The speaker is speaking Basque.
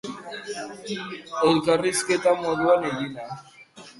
Elkarrizketa moduan egina.